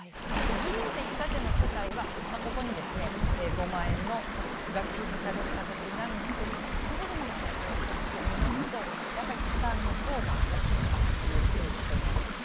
住民税非課税の世帯はここに５万円が給付される形になるんですけどもそれでも比較してみますと負担のほうが大きいということになるんですね。